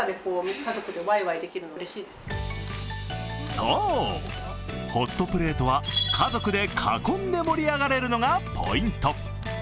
そう、ホットプレートは家族で囲んで盛り上がれるのがポイント。